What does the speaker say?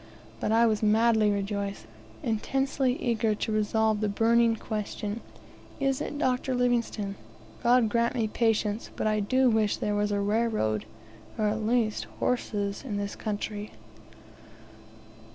But I was madly rejoiced; intensely eager to resolve the burning question, "Is it Dr. David Livingstone?" God grant me patience, but I do wish there was a railroad, or, at least, horses in this country.